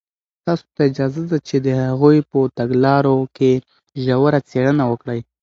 تاسو ته اجازه ده چې د هغوی په تګلارو کې ژوره څېړنه وکړئ.